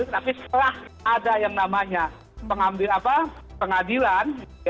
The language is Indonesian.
tapi setelah ada yang namanya pengambil pengadilan